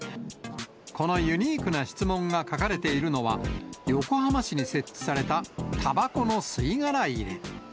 このユニークな質問が書かれているのは、横浜市に設置されたたばこの吸い殻入れ。